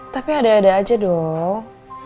tapi ada aja dong